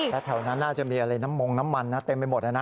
และแถวนั้นน่าจะมีอะไรน้ำมงน้ำมันนะเต็มไปหมดนะ